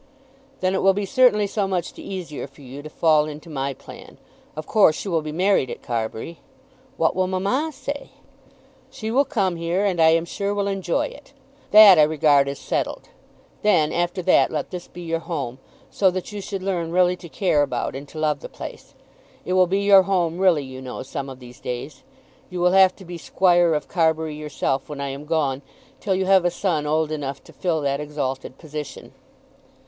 "Then it will be certainly so much the easier for you to fall into my plan. Of course you will be married at Carbury?" "What will mamma say?" "She will come here, and I am sure will enjoy it. That I regard as settled. Then, after that, let this be your home, so that you should learn really to care about and to love the place. It will be your home really, you know, some of these days. You will have to be Squire of Carbury yourself when I am gone, till you have a son old enough to fill that exalted position."